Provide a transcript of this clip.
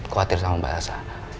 kuatir sama b elsa